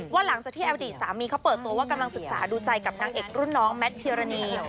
หลังจากที่อดีตสามีเขาเปิดตัวว่ากำลังศึกษาดูใจกับนางเอกรุ่นน้องแมทพิรณี